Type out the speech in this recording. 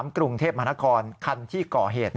กรุงเทพมหานครคันที่ก่อเหตุ